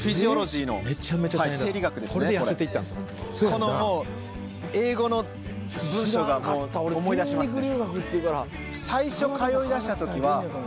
このもう英語の文章がもう思い出しますね。